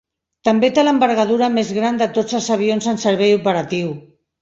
També té l'envergadura més gran de tots els avions en servei operatiu.